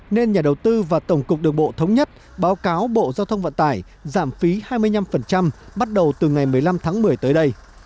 nên nhà đầu tư và tổng cục đường bộ thống nhất báo cáo bộ giao thông vận tải giảm phí hai mươi năm bắt đầu từ ngày một mươi năm tháng một mươi tới đây